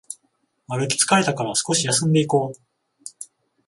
歩き疲れたから少し休んでいこう